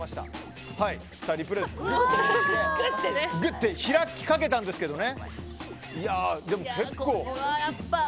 ぐって開きかけたんですけどね。